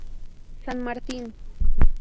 San Martín.